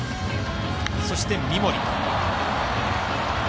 そして三森。